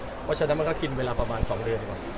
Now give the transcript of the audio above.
เพราะฉะนั้นมันก็กินเวลาประมาณ๒เดือนก่อน